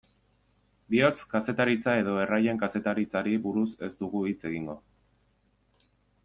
Bihotz-kazetaritza edo erraien kazetaritzari buruz ez dugu hitz egingo.